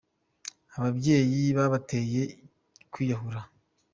Ababyeyi babateye kwiyahura